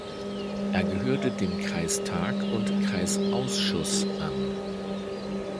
Er gehörte dem Kreistag und Kreisausschuss an.